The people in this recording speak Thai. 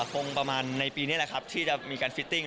คงประมาณในปีนี้แหละครับที่จะมีการฟิตติ้ง